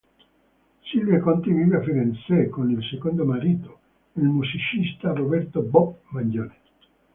Silvia Conti vive a Firenze con il secondo marito, il musicista Roberto “Bob” Mangione.